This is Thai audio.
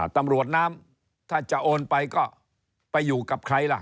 ตำรวจน้ำถ้าจะโอนไปก็ไปอยู่กับใครล่ะ